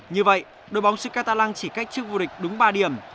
như vậy đội bóng sư catalan chỉ cách trước vua địch đúng ba điểm